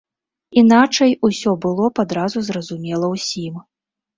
Іначай усё было б адразу зразумела ўсім.